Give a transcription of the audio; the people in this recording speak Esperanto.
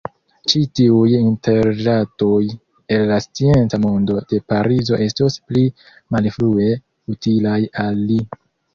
Ĉi-tiuj interrilatoj el la scienca mondo de Parizo estos pli malfrue utilaj al li.